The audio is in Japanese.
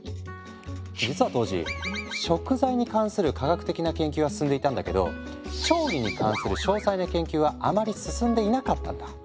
実は当時「食材」に関する科学的な研究は進んでいたんだけど「調理」に関する詳細な研究はあまり進んでいなかったんだ。